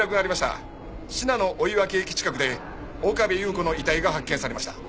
信濃追分駅近くで岡部祐子の遺体が発見されました。